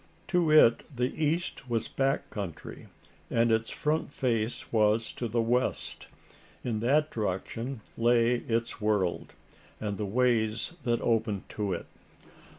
To it the east was a back country; and its front face was to the west. In that direction lay its world, and the ways that opened to it.